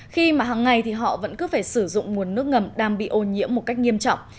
khi mà hằng ngày thì họ vẫn cứ phải sử dụng nguồn nước ngầm đang bị ô nhiễm một cách nghiêm trọng